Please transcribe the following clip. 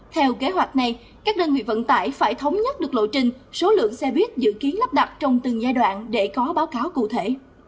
theo kế hoạch này các đơn vị vận tải phải thống nhất được lộ trình số lượng xe buýt dự kiến lắp đặt trong từng giai đoạn để có báo cáo cụ thể